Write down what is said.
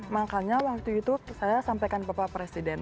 makanya waktu itu saya sampaikan ke bapak presiden